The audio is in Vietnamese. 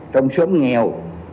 trong sớm nghèo